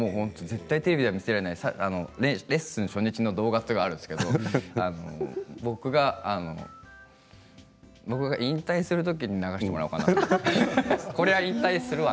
テレビに見せられないレッスン初日の映像があるんですけど僕が引退するときに流してもらおうかなと。